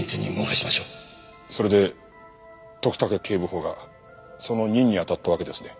それで徳武警部補がその任に当たったわけですね。